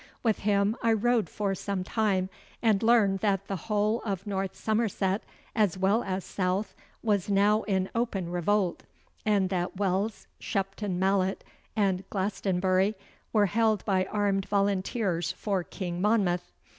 With him I rode for some time, and learned that the whole of North Somerset, as well as south, was now in open revolt, and that Wells, Shepton Mallet, and Glastonbury were held by armed volunteers for King Monmouth.